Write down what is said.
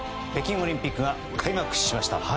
北京オリンピックが開幕しました。